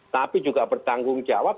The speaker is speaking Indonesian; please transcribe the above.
tapi juga bertanggung jawab